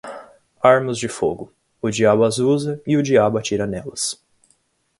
Armas de fogo, o diabo as usa e o diabo atira nelas.